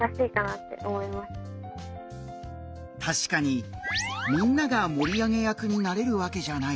確かにみんなが盛り上げ役になれるわけじゃない。